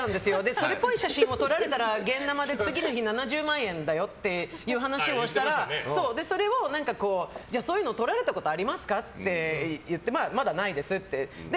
それっぽい写真を撮られたら現ナマでいくらだよって言ったらそれをそういうの撮られたことありますかって言ってまだないですって。